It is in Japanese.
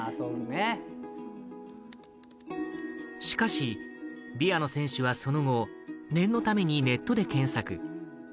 しかし、ビアノ選手はその後念のためにネットで検索。